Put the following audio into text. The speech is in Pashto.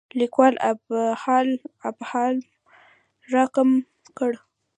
لیکوال ابهام راکم کړي.